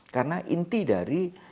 karena inti dari